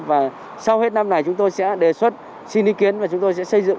và sau hết năm này chúng tôi sẽ đề xuất xin ý kiến và chúng tôi sẽ xây dựng